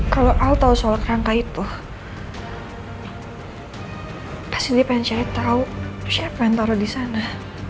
kalau al tahu soal kerangka itu pasti dia pengen cari tahu siapa yang taruh di sana